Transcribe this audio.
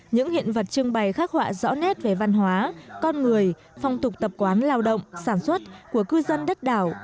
những hiện vật trưng bày khắc họa rõ nét về văn hóa con người phong tục tập quán lao động sản xuất của cư dân đất đảo